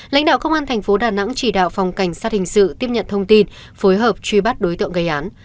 lãnh đạo công an thành phố đà nẵng chỉ đạo phòng cảnh sát hình sự tiếp nhận thông tin phối hợp truy bắt đối tượng gây án